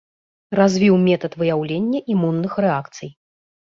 Развіў метад выяўлення імунных рэакцый.